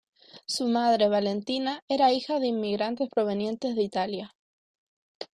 Su madre, Valentina, era hija de inmigrantes provenientes de Italia.